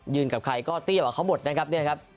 ยืนกับใครก็เตี้ยวออกเขาหมดนะครับ